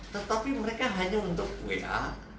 tetapi mereka hanya untuk wa